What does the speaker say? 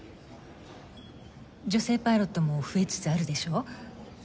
女性パイロットも増えつつあるでしょ。